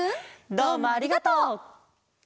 どうもありがとう。